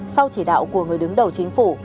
sau chỉ đạo của người đứng đầu chính phủ